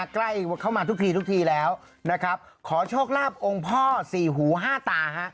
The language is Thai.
ใกล้เข้ามาทุกทีทุกทีแล้วนะครับขอโชคลาภองค์พ่อสี่หูห้าตาฮะ